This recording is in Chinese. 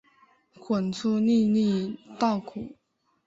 滚出粒粒稻谷